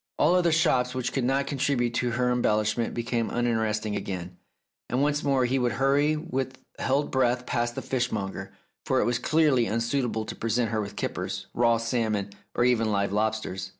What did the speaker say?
All other shops which could not contribute to her em bellishment became uninteresting again, and once more he would hurry with held breath past the fish monger, for it was clearly unsuitable to present her with kippers, raw salmon, or even live lobsters.